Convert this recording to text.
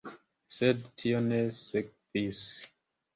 Sed tio ne sekvis.